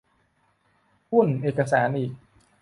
วุ่นเอกสารอีก